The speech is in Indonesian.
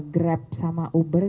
grab sama uber